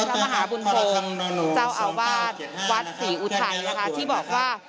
พระมหาบุญทรงเจ้าอาวาสวัดศรีอุทัยนะคะที่บอกว่า